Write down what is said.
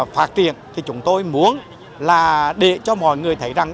phát triển thì chúng tôi muốn là để cho mọi người thấy rằng